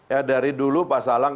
ya dari dulu pak salang